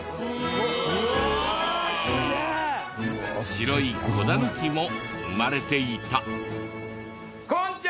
白い子ダヌキも生まれていた。